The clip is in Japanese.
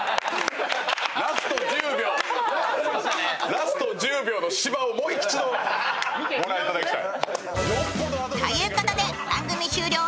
ラスト１０秒の芝をもう一度ご覧いただきたい。